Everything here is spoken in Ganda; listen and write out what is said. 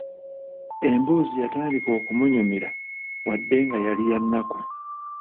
Emboozi yatandika okunnyumira wadde nga yali ya nnaku.